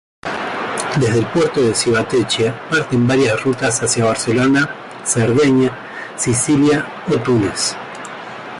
Desde el puerto de Civitavecchia parten varias rutas hacia Barcelona, Cerdeña, Sicilia o Túnez.